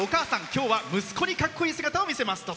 今日は息子にかっこいい姿を見せます。